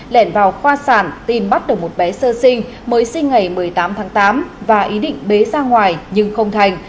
lẻn vào khoa sản tìm bắt được một bé sơ sinh mới sinh ngày một mươi tám tháng tám và ý định bế ra ngoài nhưng không thành